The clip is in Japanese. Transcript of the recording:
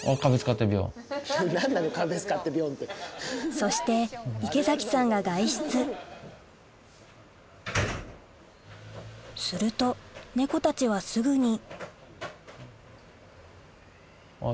そして池崎さんが外出すると猫たちはすぐにあぁ。